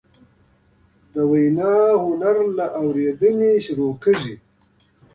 د وینا هنر له اورېدنې پیلېږي